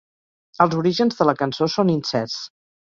Els orígens de la cançó són incerts.